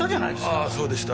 ああそうでした。